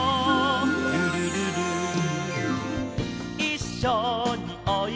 「ルルルル」「いっしょにおいでよ」